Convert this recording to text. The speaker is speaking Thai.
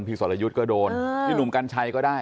สรยุทธ์ก็โดนพี่หนุ่มกัญชัยก็ได้